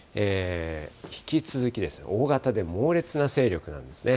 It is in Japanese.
引き続きですね、大型で猛烈な勢力なんですね。